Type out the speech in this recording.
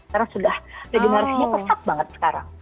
karena sudah regenerasinya pesat banget sekarang